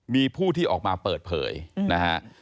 มีผู้ที่ออกมาเปิดเผยนะฮะ